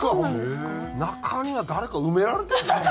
中庭誰か埋められてんちゃう？